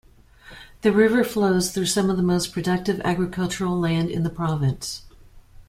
The river flows through some of the most productive agricultural land in the province.